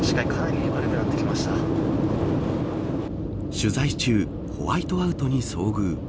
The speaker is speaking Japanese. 取材中ホワイトアウトに遭遇。